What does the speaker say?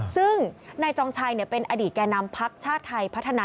ซึ่งนายจองชัยเป็นอดีตแก่นำพักชาติไทยพัฒนา